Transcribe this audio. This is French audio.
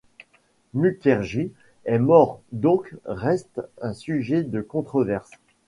Mukherjee est mort donc reste un sujet de controverse.